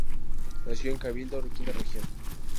Nació en Cabildo, Quinta Región.